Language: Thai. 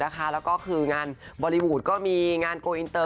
นะคะแล้วก็คืองานบอลลีวูดก็มีงาน